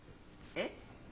えっ？